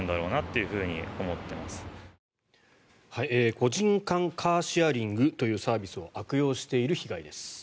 個人間カーシェアリングというサービスを悪用している被害です。